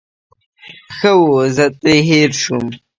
ښه وو، زه ترې هېر شوم.